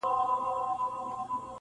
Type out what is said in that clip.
• که پر مځکه ګرځېدل که په اوبو کي -